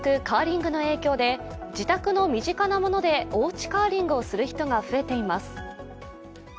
カーリングの影響で自宅の身近なものでおうちカーリングをする人が増えています。